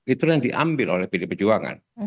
itulah yang diambil oleh pdi perjuangan